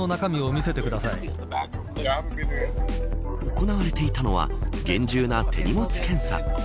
行われていたのは厳重な手荷物検査。